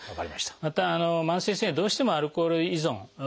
また慢性すい炎はどうしてもアルコール依存